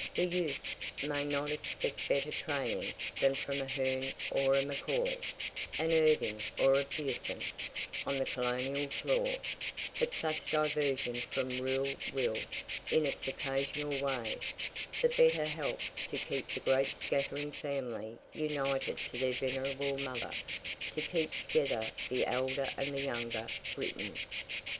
The youths may not expect better training than from a Hearn or a McCoy, an Irving or a Pearson, on the colonial floor; but such diversion from rule will, in its occasional way, the better help to keep the great scattering family united to their venerable mother to keep together the elder and the younger Britain.